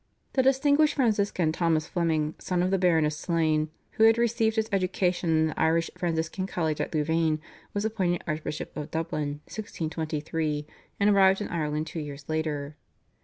The distinguished Franciscan Thomas Fleming, son of the Baron of Slane, who had received his education in the Irish Franciscan College at Louvain, was appointed Archbishop of Dublin (1623), and arrived in Ireland two years later.